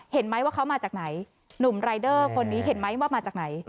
เห็นไหมว่าเขามาจากไหนหนุ่มรายเดอร์คนนี้เห็นไหมว่ามาจากไหน